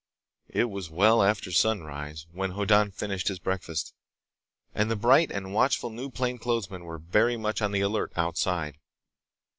It was well after sunrise when Hoddan finished his breakfast, and the bright and watchful new plainclothesmen were very much on the alert outside.